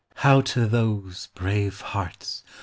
How to those, brave hearts